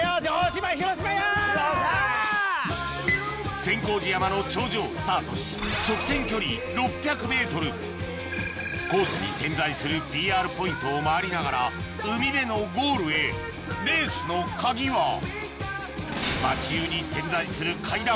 千光寺山の頂上をスタートし直線距離６００ｍコースに点在するＰＲポイントを回りながら海辺のゴールへレースの鍵は町じゅうに点在する階段